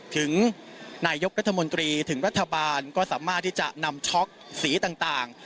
ถึงนายกรัฐมนตรีถึงรัฐบาลก็สามารถที่จะนำช็อกสีต่าง